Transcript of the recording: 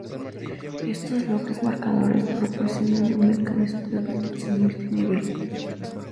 Estos bloques marcadores proporcionan un mecanismo de protección multi-nivel.